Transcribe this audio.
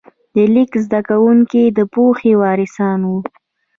د لیک زده کوونکي د پوهې وارثان وو.